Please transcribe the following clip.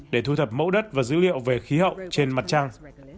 để thu thập mẫu đất và dữ liệu về khí hậu trên mặt trăng